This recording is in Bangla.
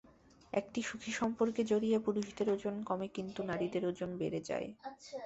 একটি সুখী সম্পর্কে জড়িয়ে পুরুষদের ওজন কমে কিন্তু নারীদের ওজন বেড়ে যায়।